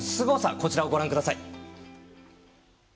こちらをご覧ください。